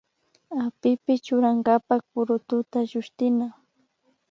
Apipi churankapa purututa llushtina